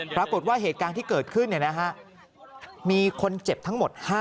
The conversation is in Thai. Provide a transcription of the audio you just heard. ปรากฏว่าเหตุการณ์ที่เกิดขึ้นมีคนเจ็บทั้งหมด๕